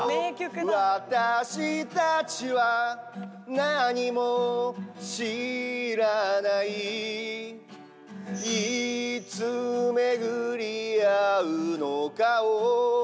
「私たちはなにも知らない」「いつめぐり逢うのかを」